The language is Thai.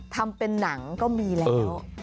ทำเป็นหนังก็มีแล้ว